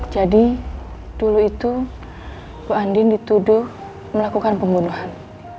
jadi dulu itu bu andin dituduh melakukan pembunuhan